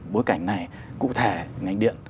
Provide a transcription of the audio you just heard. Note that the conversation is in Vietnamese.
bối cảnh này cụ thể ngành điện